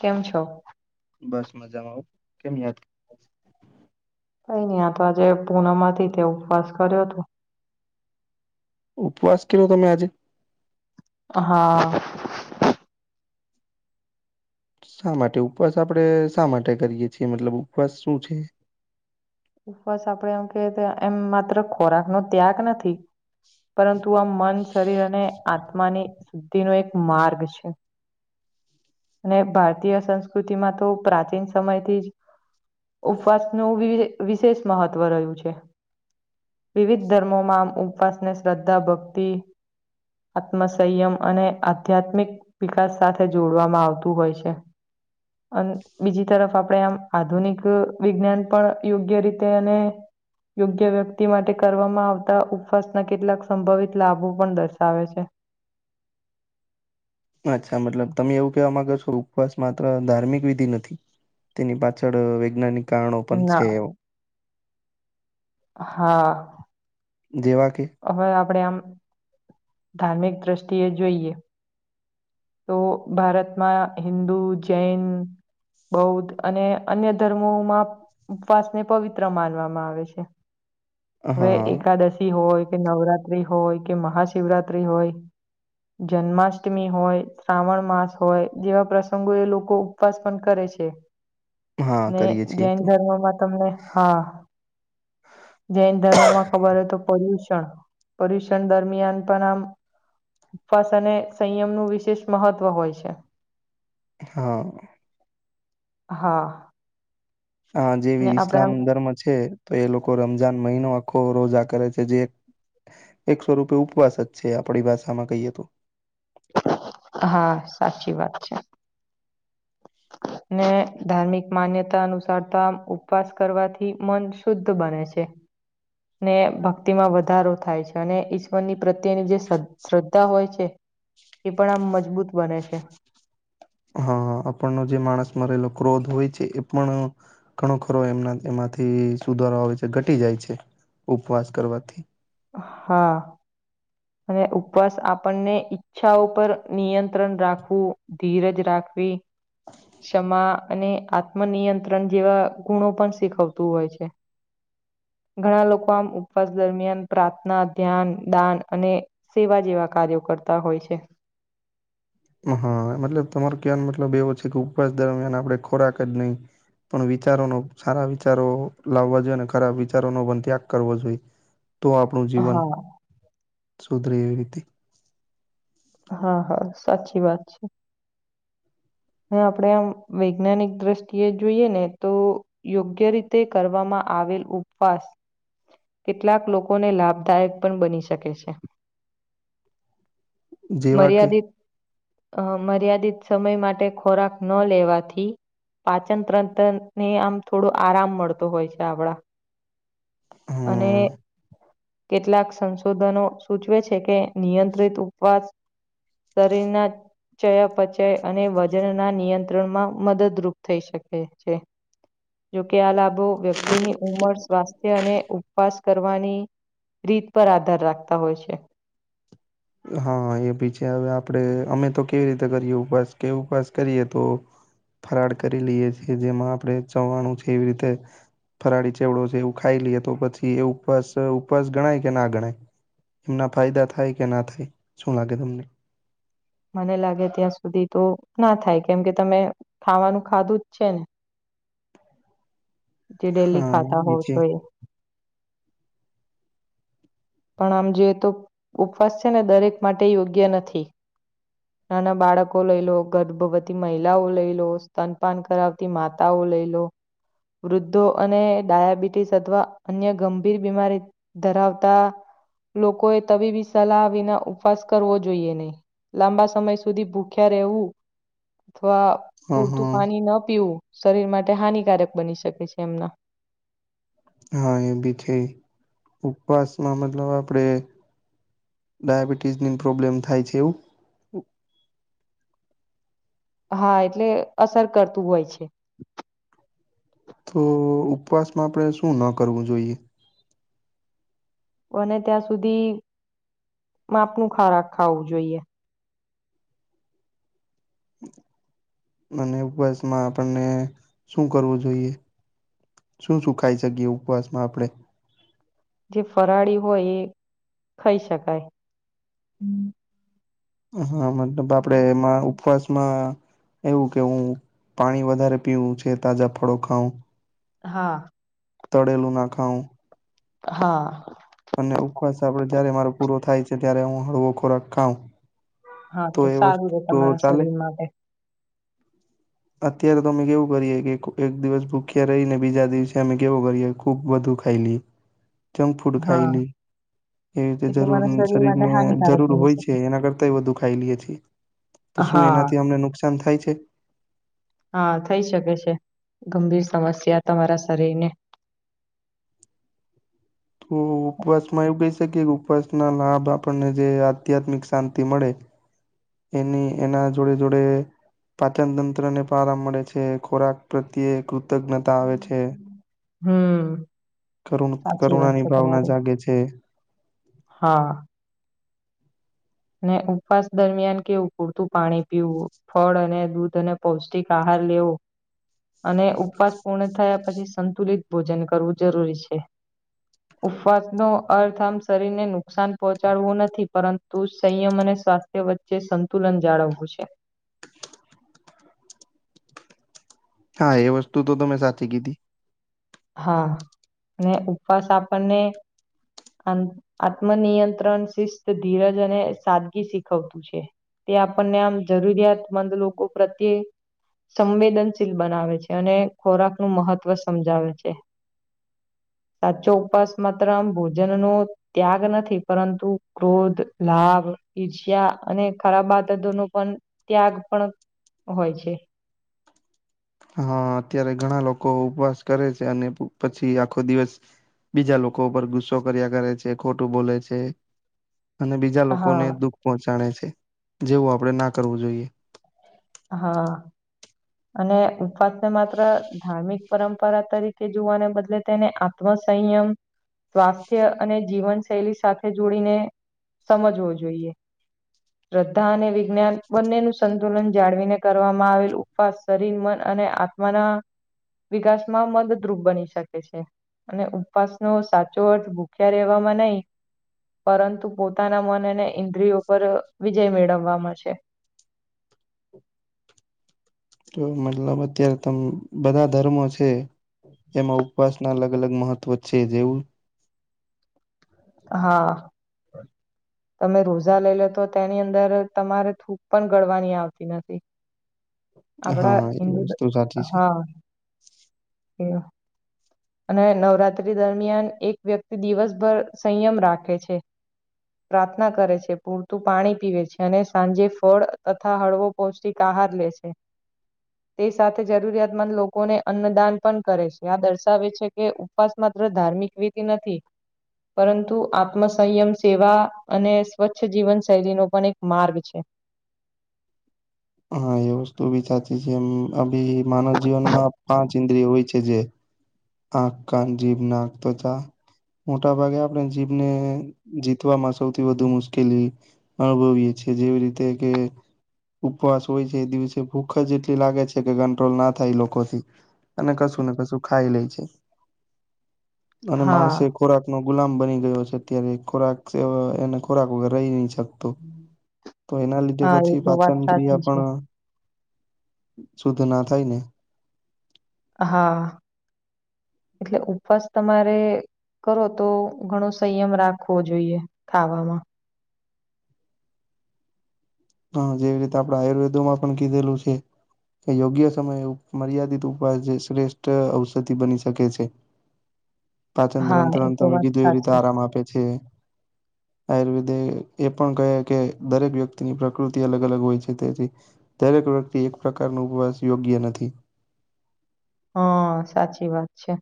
કેમ છો? બસ મજામાં હો, કેમ યાદ કઇ નહિ આ તો આજે પૂનમ હતી ત્યાં ઉપવાસ કર્યો હતો ઉપવાસ કરલો તમે આજે? હા શા માટે ઉપવાસ આપણે શા માટે કરીએ છીએ? મતલબ ઉપવાસ શું છે? ઉપવાસ આપણેે એમ કે એમ માત્ર ખોરાક નો ત્યાગ નથી, પરંતુ તું આમ મન શરીર અને આત્માની શુદ્ધિનો એક માર્ગ છે. અને ભારતીય સંસ્કૃતિમાં તો પ્રાચીન સમયથી જ ઉપવાસનું વિ વિશેષ મહત્વ રહ્યું છે વિવિધ ધર્મોમાં આમ ઉપવાસને શ્રદ્ધા ભક્તિ આત્મસંયમ અને આધ્યાત્મિક વિકાસ સાથે જોડવામાં આવતું હોય છે અન બીજી તરફ આપણેે આમ આધુનિક વિજ્ઞાન પણ યોગ્ય રીતે અને યોગ્ય વ્યક્તિ માટે કરવામાં આવતા ઉપવાસના કેટલાક સંભવિત લાભો પણ દર્શાવે છે [inaudible] અચ્છા, મતલબ તમે એવું કહેવા માગો છો, ઉપવાસ માત્ર ધાર્મિક વિધિ નથી તેની પાછળ અ વૈજ્ઞાનિક કારણો પણ છે ના એવ હા જેવા કે હવે આપણે આમ ધાર્મિક દ્રષ્ટિએ જોઈએ તો ભારતમાં હિદુ, જૈન બૌદ્ધ અને અન્ય ધર્મોમાં ઉપવાસને પવિત્ર માનવામાં આવે છે હવે હા એકાદશી હોય કે નવરાત્રી હોય કે મહાશિવરાત્રી હોય જન્માષ્ટમી હોય શ્રાવણ માસ હોય જેવા પ્રસંગો એ લોકો ઉપવાસ પણ કરે છે હા અને કરીએ છીએ જૈન તો ધર્મમાં તમને હા જૈન ધર્મ માં ખબર હોય તો પડ્યું પરીષણ દરમિયાન પણ આમ ઉપવાસ અને સંયમનું વિશેષ મહત્વ હોય છે. હા હા હા જેવી અને આપડે આમ ઈસ્લામ ધર્મ છે તો એ લોકો રમજાન મહિનો ખો રોજા કરે છે જે એકસો રૂપે ઉપવાસ જ છે આપડી ભાષામાં કહીએ તો હા સાચી વાત છે ને ધાર્મિક માન્યતા અનુસારતા ઉપવાસ કરવાથી મન શુદ્ધ બને છે. હ ને ભક્તિમાં વધારો થાય છે અને ઈશ્વરની પ્રત્યેની જે શ્રદ્ધા હોય છે એ પણ આમ મજબૂત બને છે હા આપણનો જે માણસ મરેલો ક્રોધ હોય છે એ પણ ઘણો ખરો એમના એમાં થી સુધારો આવે છે ઘટી જાય છે ઉપવાસ કરવાથી હા અને ઉપવાસ આપણને ઈચ્છા ઉપર નિયંત્રણ રાખવું ધીરજ રાખ વી ક્ષમા અને આત્મ નિયંત્રણ જેવા ગુણો પણ શીખવતું હોય છે ઘણા લોકો આમ ઉપવાસ દરમિયાન પ્રાર્થના, ધ્યાન, દાન અને સેવા જેવા કાર્યો કરતા હોય છે હા મતલબ તમારો ક્યાં મતલબ એવો છે કે ઉપવાસ દરમિયાન આપડે ખોરાક જ નહી પણ વિચારોનો સારા વિચારો લાવવા જોઈએ ને ખરાબ વિચારોનો પણ ત્યાગ કરવો જોઈએ તો આપણું જીવન હા સુધરે એવી રીતે હા હા સાચી વાત છે આપડે આ વૈજ્ઞાનિક દ્રષ્ટિએ જોઈએ ને તો યોગ્ય રીતે કરવામાં આવેલ ઉપવાસ કેટલાક લોકોને લાભદાયક પણ બની શક જેવા કે અ મર્યાદિત સમય માટે ખોરાક ન લેવાથી પાચન ત્રંત ને આમ થોડું આરામ મળતો હોય છે આપડા અને હમ કેટલાક સંશોધનો સૂચવે છે કે નિયંત્રિત ઉપવાસ શરીરના ચવો પચે અને વ જનના નિયંત્રણમાં મદદરૂપ થઈ શકે છે જોકે આ લાભો વ તીને ઉંમર, સ્વાસ્થ્ય, અને ઉપવાસ કરવાની રીત પર આધાર રાખતા હોય છે હા એ ભી છે હવે આપડે અમે તો કેવી રીતે કરીએ ઉપવાસ કે ઉપવાસ કરીએ તો ફરાળ કરી લઈએ છે જેમાં આપડે ચવાનું છે એવી રીતે ફરાળી ચેવડો છે એવું ખાઈ લઈએ તો પછી એ ઉપવા ઉપવાસ ગણાય કે ના ગણાય એમના ફાયદા થાય કે ના થાય શું લાગે તમને મને લાગે ત્યાં સુધી તો ના થાય કેમ કે તમે ખાવાનું ખાધું જ છે ને જે ડેલી હા એ ખાતા બી હોય છે પણ આમ જોઈએ તો ઉપવાસ છે ને દરેક માટે યોગ્ય નથી નાના બાળકો લઈ લો ગર્ભવતી મહિલાઓ લઈ લો સ્તનપાન કરાવતી માતાઓ લઈ લો વૃદ્ધો અને ડાયાબિટીસ અથવા અન્ય ગંભીર બીમારી ધરાવતા લોકો એ તબીબી સલાહ વિના ઉપવાસ કરવો જોઈએ નહી. લાંબા સમય સુધી ભૂખ્યા રહેવું અથવા હા પૂરતું હા પાણી ન પીવું શરીર માટે હાનિકારક બની શકે છે એમના, હા એ બી છે ઉપવાસમાં મતલબ આપડે ડાયાબિટીસની પ્રોબ્લેમ થાય છે એવું? હા એટલે અસર કરતું હોય છે. તો ઉપવાસમાં આપણે શું ના કરવું જોઈએ? બને ત્યાં સુધી માપનું ખાવાનુ ખાવું જોઈએ અને ઉપવાસમાં આપણને શું કરવું જોઈએ? શું શું ખાઈ શકીએ ઉપવાસમાં આપણે? જે ફરાળી હોય એ ખાઈ શકાય. આપણે હા મતલબ આપડે એમાં ઉપવાસમાં? એવું કે હું પાણી વધારે પીવું છે તાજા ફળો ખાઉં? હા તળેલું ના ખાઉં, હા! અને ઉપવાસ આપડે જયારે મારો પૂરો થાય છે, ત્યારે હું હળવો ખોરાક ખાઉં હા તો એ સારું વસ્તુ રે તો તમારા ચાલે શરીર માટે. અત્યારે તો અમે કેવું કરીએ કે, એક દિવસ ભૂખ્યા રહીને બીજા દિવસે અમે કેવું કરીએ ખુબ બધું ખાય લઈ એ હા ખાઈલી એવી રીતે એ જરૂર તમારા શરીર માટે ને હાનિકારક જરૂર બની હોય શકે. છે, એના કરતા બધું ખાઈ લઈએ છીએ. તો શું હા એનાથી અમને નુકસાન થાય છે હા [unintelligible] થઈ શકે છે ગંભીર સમસ્યા તમારા શરીરને, તો ઉપવાસ માં એવું કહી શકીએ કે, ઉપવાસ ના લાભ આપણને જે આધ્યાત્મિક શાંતિ મળે એની એના જોડે જોડે પાચન તંત્ર ને પણ આરામ મળે છે, ખોરાક પ્રત્યે કૃતજ્ઞતા આવે છે હમ કરુ સાચી વાત કરુણાની છે ભાવના તમારી. જાગે છે. હા. ને ઉપવાસ દરમિયાન કેવું, પૂરતું પાણી પીવું ફળ અને દૂધ અને પૌષ્ટિક આહાર આહાર લેવો, અને ઉપવાસ પૂર્ણ થયા પછી સંતુલિત ભોજન કરવું જરૂરી છે. ઉપવાસ ન અર્થ આામ શરીરને નુકસાન પહોંચાડવું નથી પરંતુ તું સંયમ અને સ્વાસ્થ્ય વચ્ચે સંતુલન જાળવવું છે. હા એ વસ્તુ તો તમે સાચી કીધી. હા અને ઉપવાસ આપણને અન્ત આત્મનિયંત્રણ શિસ્ત ધીરજ અને સાદગી શીખવતું છે. તે આપણને આમ જરૂરિયાતમંદ લોકો પ્રત્યે સંવેદનશીલ બનાવે છે. અને ખોરાકનું મહત્વ સમજાવે છે. [inaudible] સાચો ઉપસ માત્ર આમ ભોજન નો ત્યાગ નથી પરંતુ ક્રોધ, લાભ, ઈર્ષ્યા અને ખરાબ આદતો ન પણ ત્યાગ પણ હોય છે. [inaudible] હા, અત્યારે ઘણા લોકો ઉપવાસ કરે છે, અને પછી આખો દિવસ. બીજા લોકો પર ગુસ્સો કર્યા કરે છે ખોટું બોલે છે. અને બીજા લોકોને હા દુઃખ પહોંચાડે છે જેવું આપણે ના કરવું જોઈએ. હા. અને ઉપવાસને માત્ર ધાર્મિક પરંપરા તરીકે જોવાને બદલે તેને આત્મ સંયમ સ્વાસ્થ્ય અને જીવન શૈલી સાથે જોડીને સમજવો જોઈએ. શ્રદ્ધા અને વિજ્ઞાન બંને નું સંતુલન જાળવીને કરવામાં આવેલ ઉપવાસ શરીર, મન અને આત્મના વિકાસમાં મદદરૂપ બની શકે છે. અને ઉપવાસનો સાચો અર્થ ભૂખ્યા રહેેવામાં નહી પરંતુ પોતાના મનને ઇન્દ્રિયો પર વિજય મેળવવામાં છે. [inaudible] તો મતલબ અત્યારે તમ બધા ધર્મો છે એમાં ઉપવાસના અલગ-અલગ મહત્વ છે. જેવું હા. તમે રોઝા લઈ લો તો તેની અંદર તમારે થૂક પણ ગળવાની આવતી નથી. આપડા હા હિન્દુ એ વસ્તુ સાચી છે હા એ અને નવરાત્રી દરમિયાન એક વ્યક્તિ દિવસભર સંયમ રાખે છે. પ્રાર્થના કરે છે, પૂરતું પાણી પીવે છે, અને સાંજે ફળ તથા હળવો પૌષ્ટિક આહાર લે છે. તે સાથે જરૂરિયાતંદ લોકોને અન્નદાન પણ કરે છે. આ દર્શ વે છે કે ઉપવાસ માત્ર ધાર્મિક વિધી નથી. પરંતુ આત્મ સંયમ સેવા અને સ્વચ્છ જીવન શૈલીનો પણ એક માર્ગ છે. [inaudible] હા એ વસ્તુ બી સાચી છે એમ, અભી માનવ જીવન માં પાંચ ઇન્દ્રિય હોય છે જે આંખ, કાન, જીભ, નાક તથા મોટા ભાગે આપણે જીભને જીતવામાં સૌથી વધુ મુશ્કેલી અનુભવીએ છી એ જેવી રીતે કે ઉપવાસ હોય છે એ દિવસે ભૂખ જ એટલી લાગે છે કે કંટ્રોલ ના થાય એ લોકોથી. અને કશું ને કશું ખાઈ લે છે, અને માણસે હા. ખોરાક નો ગુલામ બની ગયો છે અત્યારે, ખોરાક સે અહ એને ખોરાક વગર રહી જા [unintelligible] તો એના લીધે હા, એ પછી તો વાત પાચન સાચી ક્રિયા છે. પણ શુદ્ધ ના થાયને. હા, એટલે ઉપવાસ તમારે કરો તો ઘણો સંયમ રાખવો જોઈએ ખાવામાં. હા જેવી રીતે આપણે આયુર્વેદો માં પણ કીધેલું છે કે યોગ્ય સમયે ઉ મર્યાદિત ઉપવાસ જે શ્રેષ્ઠ ઔષધિ બની શકે છે. [inaudible] પાચનતંત્ર હા, એ તો તમે વાત કીધું એવી રીતે સાચી. આરામ આપે છે. આયુર્વેદ એ પણ કહે કે દરેક વ્યક્તિની કૃતિ અલગ-અલગ હોય છે, તેથી દરેક વ્યક્તિ એક પ્રકાર નો ઉપવાસ યોગ્ય નથી. હા સાચી વાત છે.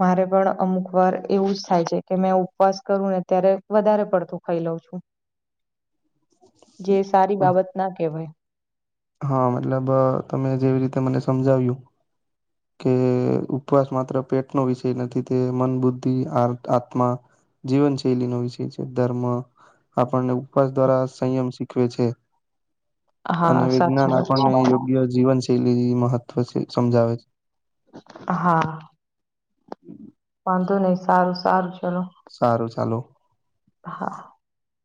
મારે પણ અમુક વાર એવું જ થાય છે કે મેં ઉપવાસ કરું ને ત્યારે વધારે પડતું ખાઈ લવ વ છું, જે સારી બાબત ના કહેવાય. હા મતલબ તમે જેવી રીતે મને સમજાવ્યું કે ઉપવાસ માત્ર પેટનો વિષય નથી, તે મન, બુદ્ધિ, આર આત્મા જીવન શૈલી નો વિષય છે, ધર્મ આપણને ઉપવાસ દ્વારા સંયમ શીખવે છે. અને હા, સાચી વિજ્ઞાન વાત છે. આપણને યોગ્ય જીવનશૈલી મહત્વ છે સમજાવે છે. હા. [inaudible] વાંધો નહી, સારું-સારું ચલો. સારું ચાલો. [inaudible]